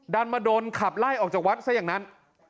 ดันมาโดนขับไล่ออกจากวัดซะอย่างนั้น